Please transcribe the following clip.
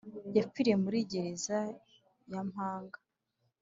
Yapfiriye murigereza yampanga